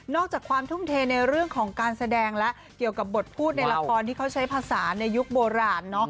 อกจากความทุ่มเทในเรื่องของการแสดงแล้วเกี่ยวกับบทพูดในละครที่เขาใช้ภาษาในยุคโบราณ